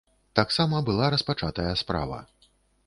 Таксама была распачатая справа.